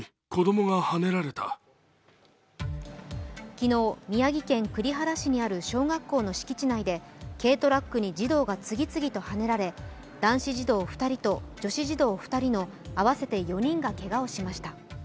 昨日、宮城県栗原市の小学校の敷地内で軽トラックに児童が次々とはねられ男子児童２人と女子児童２人の合わせて４人がけがをしました。